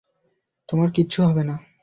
তোমার কিছু হবে না।